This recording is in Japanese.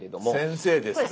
先生ですね。